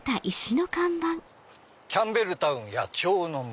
「キャンベルタウン野鳥の森」。